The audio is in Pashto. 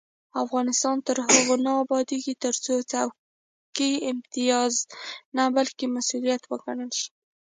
افغانستان تر هغو نه ابادیږي، ترڅو څوکۍ امتیاز نه بلکې مسؤلیت وګڼل شي.